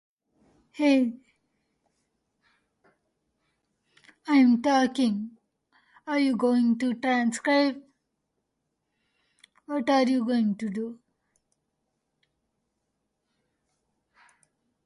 Schollander has three children, Jeb, Kyle and Katie.